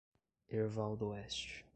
Herval d'Oeste